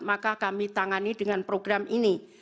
maka kami tangani dengan program ini